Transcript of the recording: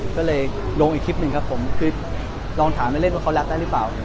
ก็เลยลงอีกคลิปหนึ่งครับผมคือลองถามเล่นว่าเขารับได้หรือเปล่า